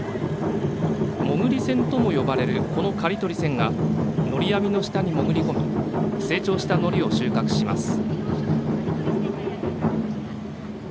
もぐり船とも呼ばれるこの刈り取り船がのり網の下に潜り込み成長したのりを収穫します。